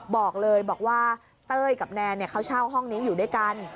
บอกเลยบอกว่าเต้ยกับแนนเขาเช่าห้องนี้อยู่ด้วยกัน